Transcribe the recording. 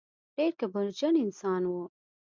ډېر کبرجن انسان و.